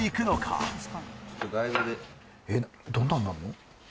えっどんなんなんの？